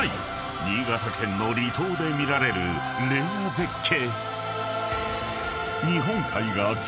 ［新潟県の離島で見られるレア絶景］